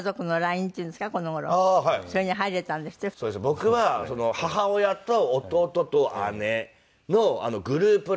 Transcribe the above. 僕は母親と弟と姉のグループ